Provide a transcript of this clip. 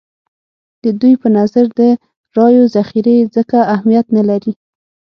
د دوی په نظر د رایو ذخیرې ځکه اهمیت نه لري.